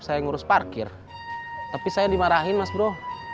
saya ngurus parkir tapi saya dimarahin mas bro